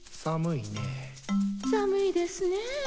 寒いですね